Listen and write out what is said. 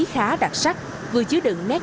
khá đặc sắc vừa chứa đựng nét